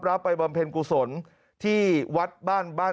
ไปบำเพ็ญกุศลที่วัดบ้าน